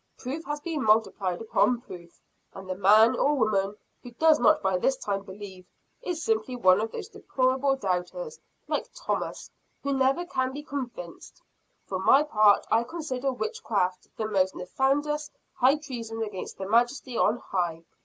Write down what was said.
Proof has been multiplied upon proof, and the man, or woman, who does not by this time believe, is simply one of those deplorable doubters, like Thomas, who never can be convinced. For my part, I consider Witchcraft the most nefandous high treason against the Majesty on High!